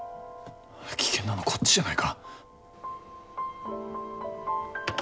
危険なのはこっちじゃないか。